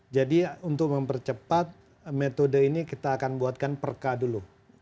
jadi untuk mempercepat metode ini kita akan buatkan perka dulu